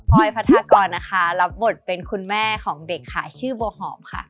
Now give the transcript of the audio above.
พอยพัทธากรนะคะรับบทเป็นคุณแม่ของเด็กค่ะชื่อบัวหอมค่ะ